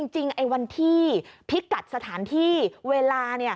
จริงวันที่พิกัดสถานที่เวลา